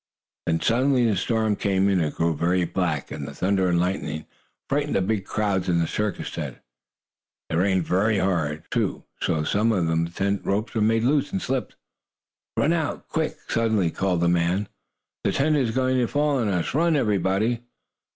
Then, suddenly the storm came. It grew very black, and the thunder and lightning frightened the big crowds in the circus tent. It rained very hard, too, so that some of the tent ropes were made loose and slipped. "Run out, quick!" suddenly called a man. "The tent is going to fall on us! Run, everybody!"